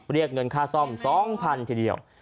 เรียกเงินค่าซ่อม๒๐๐ทีเดียว